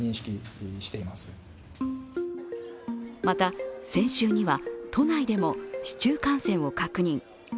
また、先週には都内でも市中感染を確認。